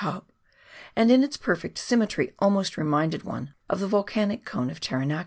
227 top, and in its perfect symmetry almost reminded one of the volcanic cone of Taranaki (8,260 ft.)